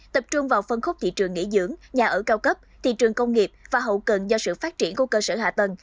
tập trung vào phân khúc thị trường nghỉ dưỡng nhà ở cao cấp thị trường công nghiệp và hậu cần do sự phát triển của cơ sở hạ tầng